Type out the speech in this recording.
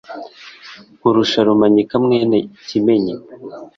Nkurusha Rumanyika mwene kimenyi